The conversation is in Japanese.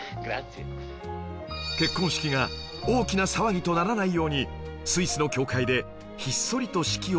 結婚式が大きな騒ぎとならないようにスイスの教会でひっそりと式を挙げたそうですよ